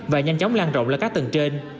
và nhanh chóng lan rộng lên các tầng trên